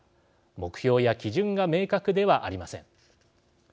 目標や基準が明確ではありません。